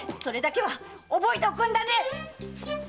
それだけは覚えておくんだね！